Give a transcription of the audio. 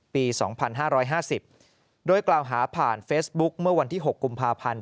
ปีสองพันห้าร้อยห้าสิบโดยกล่าวหาผ่านเฟสบุ๊คเมื่อวันที่หกกุมภาพันธ์